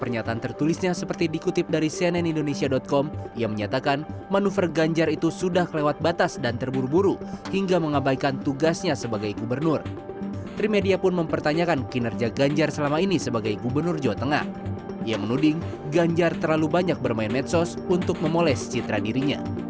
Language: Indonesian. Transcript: yang menuding ganjar terlalu banyak bermain medsos untuk memoles citra dirinya